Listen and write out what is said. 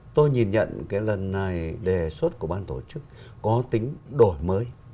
tôi nhìn nhận cái lần này đề xuất của ban tổ chức có tính đổi mới